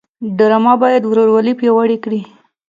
ډرامه باید ورورولي پیاوړې کړي